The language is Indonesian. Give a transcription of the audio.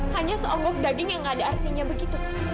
hanya seonggok daging yang ada artinya begitu